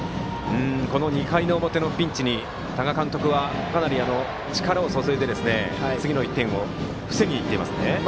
この２回の表のピンチに多賀監督はかなり力を注いで次の１点を防ぎにいっていますね。